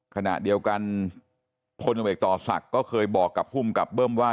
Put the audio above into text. ขณะเดียวกันพลตำรวจเอกต่อศักดิ์ก็เคยบอกกับภูมิกับเบิ้มว่า